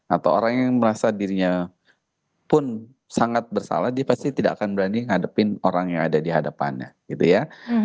atau orang yang merasa dirinya pun sangat bersalah dia pasti tidak akan berani ngadepin orang yang ada di hadapannya gitu ya